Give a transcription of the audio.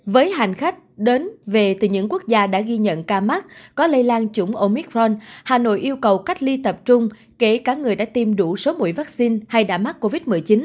với hành khách đến về từ những quốc gia đã ghi nhận ca mắc có lây lan chủng omicron hà nội yêu cầu cách ly tập trung kể cả người đã tiêm đủ số mũi vaccine hay đã mắc covid một mươi chín